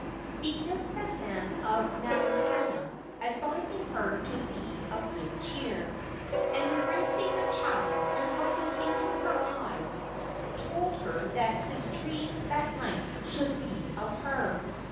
He kissed the hand of Namahana, advising her to be of good cheer, and, embracing the child and looking into her eyes, told her that his dreams that night should be of her.